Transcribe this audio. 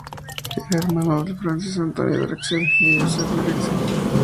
Era hermano de Francis Anthony Drexel y Joseph W. Drexel.